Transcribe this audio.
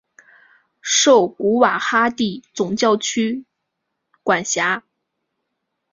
受古瓦哈蒂总教区管辖。